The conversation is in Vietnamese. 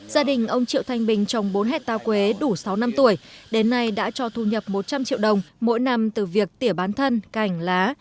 gia đình ông triệu thanh bình trồng bốn hectare quế đủ sáu năm tuổi đến nay đã cho thu nhập một trăm linh triệu đồng mỗi năm từ việc tỉa bán thân cành lá